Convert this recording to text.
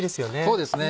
そうですね